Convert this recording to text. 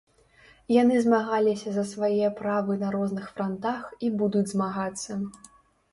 Яны змагаліся за свае правы на розных франтах і будуць змагацца.